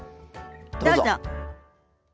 どうぞ。